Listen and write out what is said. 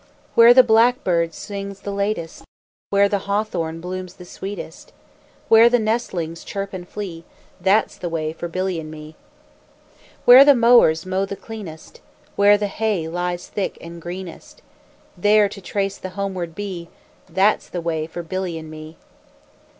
Where the blackbird sings the latest, Where the hawthorn blooms the sweetest, Where the nestlings chirp and flee, That's the way for Billy and me. Where the mowers mow the cleanest, Where the hay lies thick and greenest, There to trace the homeward bee, That's the way for Billy and me.